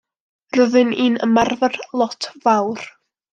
Roeddwn i'n ymarfer lot fawr.